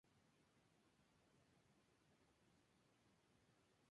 Su hábitat son las colinas pedregosas y planicies arenosas.